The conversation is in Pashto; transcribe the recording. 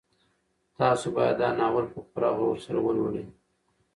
تاسو باید دا ناول په پوره غور سره ولولئ.